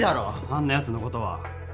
あんなやつのことは。